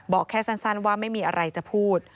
บอกแค่สั้นว่าไม่มีอะไรจะพูด